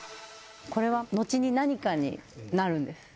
これは後に何かになるんです